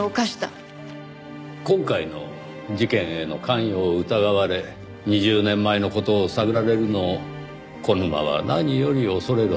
今回の事件への関与を疑われ２０年前の事を探られるのを小沼は何より恐れるはずだと。